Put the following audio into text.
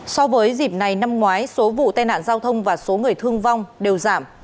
so với dịp này năm ngoái số vụ tai nạn giao thông và số người thương vong đều giảm